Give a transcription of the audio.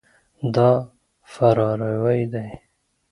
دا فراروی ده.